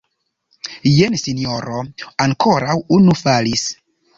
Jen sinjoro, ankoraŭ unu falis!